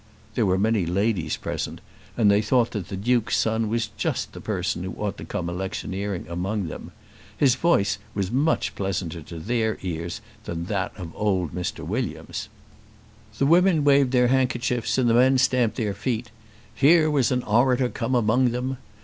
There were many ladies present and they thought that the Duke's son was just the person who ought to come electioneering among them. His voice was much pleasanter to their ears than that of old Mr. Williams. The women waved their handkerchiefs and the men stamped their feet. Here was an orator come among them!